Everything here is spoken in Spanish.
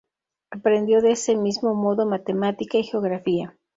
Aprendió de ese mismo modo matemática y geografía.